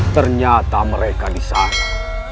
ternyata mereka disana